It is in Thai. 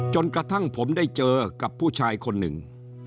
จนกระทั่งผมได้เจอกับผู้ชายคนหนึ่ง